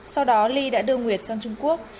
sau đó ly đã đưa nguyệt sang trung quốc